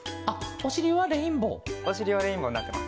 おしりはレインボーになってます。